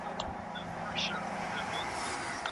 په څه ډول د بریا تنده د یو چا مسیر روښانه کوي؟